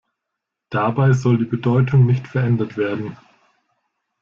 Dabei soll die Bedeutung nicht verändert werden.